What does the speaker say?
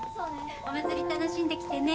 お祭り楽しんできてね。